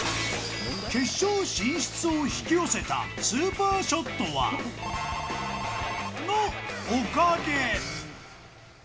決勝進出を引き寄せたスーパーショットは、×××のおかげ。